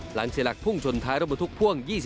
หลังเสียหลักพุ่งจนท้ายร่วมประทุกพ่วง